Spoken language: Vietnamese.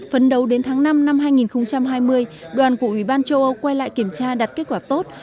phấn đấu đến tháng năm năm hai nghìn hai mươi đoàn của ủy ban châu âu quay lại kiểm tra đạt kết quả tốt